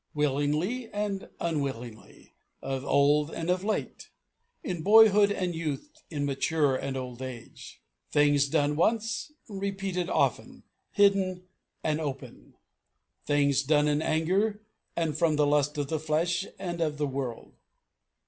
Willingly and unwillingly. Of old and of late. In boyhood and youth, in mature and old age. Things done once, repeated often, hidden and open. Things done in anger, and from the lust of the flesh and of the world.